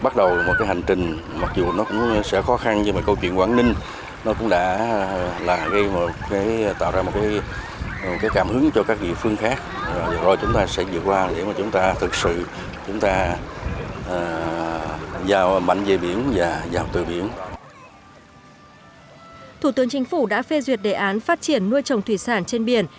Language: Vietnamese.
thủ tướng chính phủ đã phê duyệt đề án phát triển nuôi trồng thủy sản trên biển